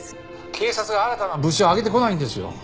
警察が新たな物証を挙げてこないんですよ！